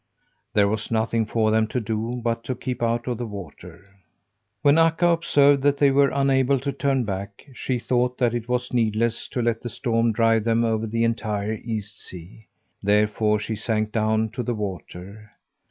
There was nothing for them to do but to keep out of the water. When Akka observed that they were unable to turn back she thought that it was needless to let the storm drive them over the entire East sea. Therefore she sank down to the water.